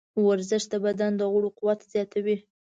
ورزش د بدن د غړو قوت زیاتوي.